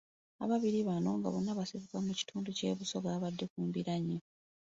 Ababiri bano nga bonna basibuka mu kitundu ky’e Busoga babadde ku mbiranye.